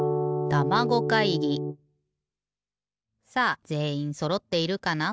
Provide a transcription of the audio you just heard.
さあぜんいんそろっているかな？